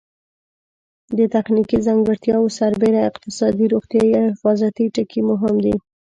د تخنیکي ځانګړتیاوو سربېره اقتصادي، روغتیایي او حفاظتي ټکي مهم دي.